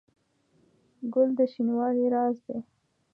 ګل د شینوالي راز دی.